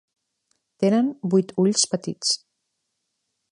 Tenen vuit ulls petits.